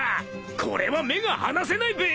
これは目が離せないべ。